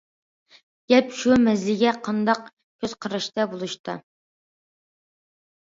گەپ شۇ مەسىلىگە قانداق كۆز قاراشتا بولۇشتا.